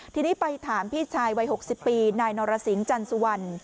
ทีนี้ไปถามพี่ชายวัย๖๐ปีนายนรสิงจันสุวรรณ